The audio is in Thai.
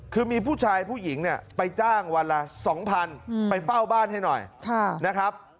คือมีผู้ชายผู้หญิงเนี่ยไปจ้างวันละ๒๐๐๐ไปเฝ้าบ้านให้หน่อยนะครับ